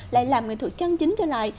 lại làm nghệ thuật chân chính trở lại